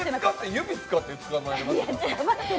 指使ってつかまえてはった。